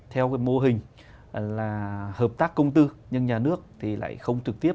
theo cái mô hình là hợp tác công tư nhưng nhà nước thì lại không trực tiếp